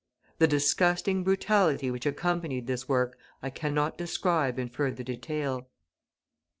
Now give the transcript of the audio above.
The disgusting brutality which accompanied this work I cannot describe in further detail.